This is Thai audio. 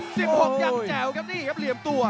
หกยังแจ๋วครับนี่ครับเหลี่ยมตัว